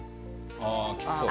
「ああきつそう」